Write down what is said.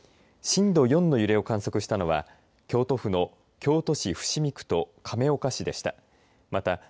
震度４の揺れを観測したのは京都府の京都市伏見区と亀岡市でした。